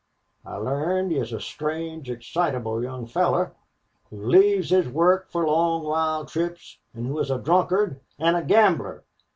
I learned he is a strange, excitable young fellow, who leaves his work for long wild trips and who is a drunkard and a gambler.